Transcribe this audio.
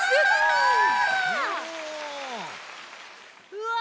うわ！